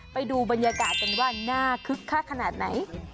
ไปดูบรรยากาศเป็นวันคื้งขาดขนาดไหน